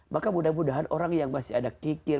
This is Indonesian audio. maka mudah mudahan orang yang masih ada kikir